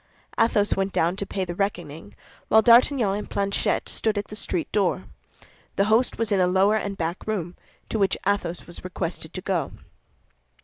Athos went down to pay the reckoning, while D'Artagnan and Planchet stood at the street door. The host was in a lower and back room, to which Athos was requested to go.